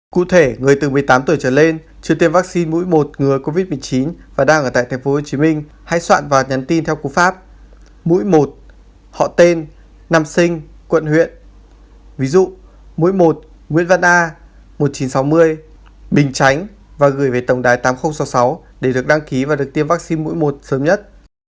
cụ thể người từ một mươi tám tuổi trở lên chưa tiêm vaccine mũi một ngừa covid một mươi chín và đang ở tp hcm hãy soạn và nhắn tin theo cụ pháp mũi một họ tên năm sinh quận huyện ví dụ mũi một nguyễn văn a một nghìn chín trăm sáu mươi bình chánh và gửi về tổng đài tám nghìn sáu mươi sáu để được đăng ký và được tiêm vaccine mũi một sớm nhất